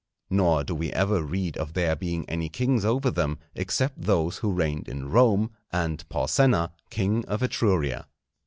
Nor do we ever read of there being any kings over them, except those who reigned in Rome, and Porsenna, king of Etruria.